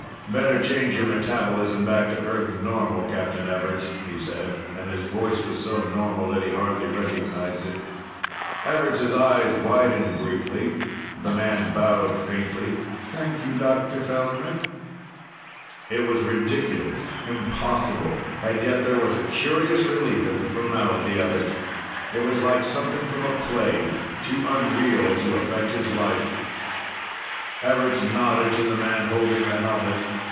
"Better change your metabolism back to Earth normal, Captain Everts," he said, and his voice was so normal that he hardly recognized it. Everts' eyes widened briefly. The man bowed faintly. "Thank you, Dr. Feldman." It was ridiculous, impossible, and yet there was a curious relief at the formality of it. It was like something from a play, too unreal to affect his life. Everts nodded to the man holding the helmet.